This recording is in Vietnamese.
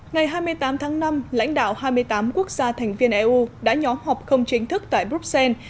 ngày hai mươi tám tháng năm lãnh đạo hai mươi tám quốc gia thành viên eu đã nhóm họp không chính thức tại bruxelles